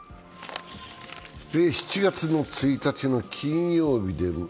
７月１日金曜日。